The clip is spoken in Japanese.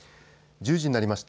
１０時になりました。